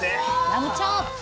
ラムチョーップ！